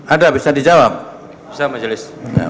ada bisa dijawab bisa majelis